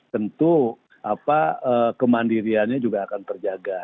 tentu kemandiriannya juga akan terjaga